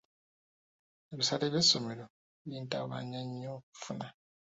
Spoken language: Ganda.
Ebisale by'essomero bintawaanya nnyo okufuna.